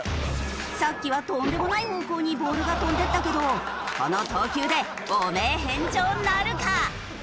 さっきはとんでもない方向にボールが飛んでいったけどこの投球で汚名返上なるか！？